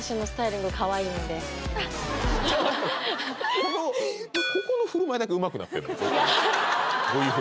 このここの振る舞いだけうまくなってんのよ